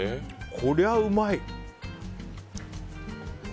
こりゃうまい！